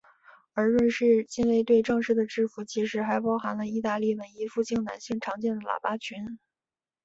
而瑞士近卫队正式的制服其实还包含了义大利文艺复兴男性常见的喇叭裙。